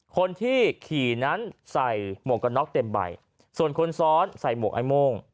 คนที่ขี่นั้นใส่หมวกกันน็อกเต็มใบส่วนคนซ้อนใส่หมวกไอ้โม่ง